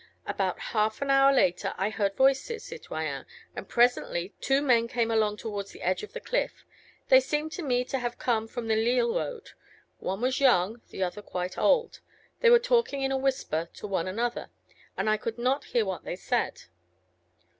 "About half an hour later, I heard voices, citoyen, and presently, two men came along towards the edge of the cliff; they seemed to me to have come from the Lille Road. One was young, the other quite old. They were talking in a whisper, to one another, and I could not hear what they said."